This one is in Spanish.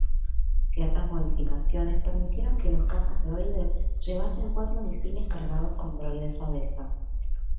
Ciertas modificaciones permitieron que los cazas droides llevasen cuatro misiles cargados con droides abeja.